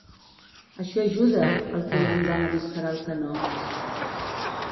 Això ajuda al comandant a disparar el canó.